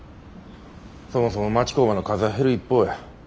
そもそも町工場の数は減る一方や。